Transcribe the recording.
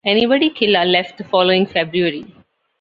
Anybody Killa left the following February.